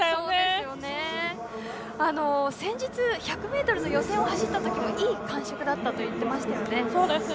先日、１００ｍ予選を走ったときもいい感触だったと言っていましたよね。